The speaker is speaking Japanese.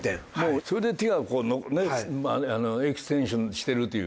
それで手がこうねエクステンションしてるという。